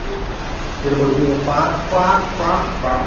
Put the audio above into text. পরবর্তী তিন মৌসুমেও তার দল বেশ ভালো খেলা প্রদর্শন করে।